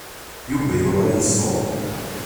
Yuba yuɣal yesseḍ.